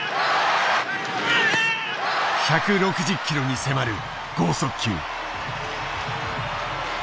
１６０キロに迫る剛速球。